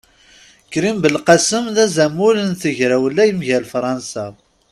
Krim Belqasem d azamul n tegrawla mgal Fransa.